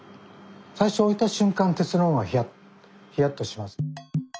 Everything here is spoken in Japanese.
最初置いたしゅん間鉄の方がヒヤッとします。